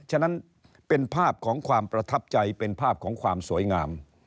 ฉะนั้นเป็นภาพของความประทับใจเป็นภาพของความสวยงาม